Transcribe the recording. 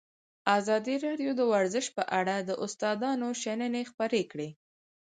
ازادي راډیو د ورزش په اړه د استادانو شننې خپرې کړي.